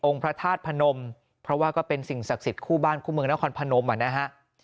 พระธาตุพนมเพราะว่าก็เป็นสิ่งศักดิ์สิทธิคู่บ้านคู่เมืองนครพนมอ่ะนะฮะ